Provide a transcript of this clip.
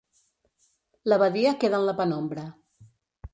La badia queda en la penombra.